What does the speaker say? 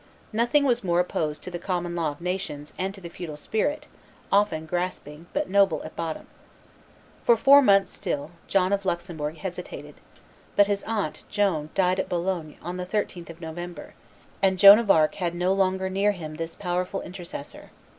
Nothing was more opposed to the common law of nations and to the feudal spirit, often grasping, but noble at bottom. For four months still, John of Luxembourg hesitated; but his aunt, Joan, died at Boulogne, on the 13th of November, and Joan of Arc had no longer near him this powerful intercessor.